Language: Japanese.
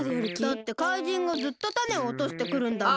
だって怪人がずっとタネをおとしてくるんだもん。